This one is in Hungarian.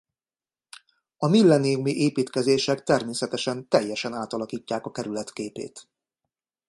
A Millenniumi építkezések természetesen teljesen átalakítják a kerület képét.